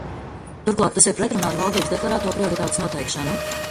Turklāt tas ir pretrunā ar valdības deklarēto prioritātes noteikšanu.